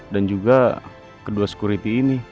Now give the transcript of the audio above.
dan juga kedua sekuriti ini